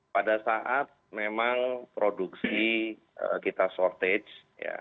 pada saat memang produksi kita shortage